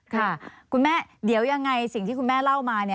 คุณแม่เดี๋ยวยังไงสิ่งที่คุณแม่เล่ามา